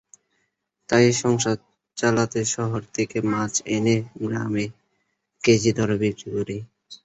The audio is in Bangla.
তাই সংসার চালাতে শহর থেকে মাছ এনে গ্রামে কেজি দরে বিক্রি করি।